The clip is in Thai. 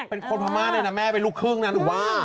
เป็นคนประมาณเลยนะแม่เป็นลูกครึ่งนะ